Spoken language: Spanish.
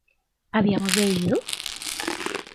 ¿habíamos bebido?